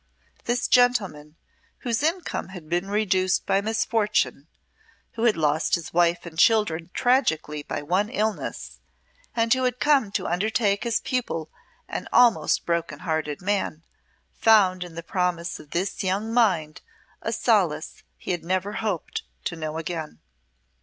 This gentleman, whose income had been reduced by misfortune, who had lost his wife and children tragically by one illness, and who had come to undertake his pupil an almost brokenhearted man, found in the promise of this young mind a solace he had never hoped to know again.